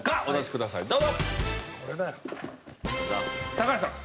高橋さん